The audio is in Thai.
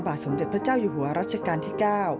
สมเด็จพระเจ้าอยู่หัวรัชกาลที่๙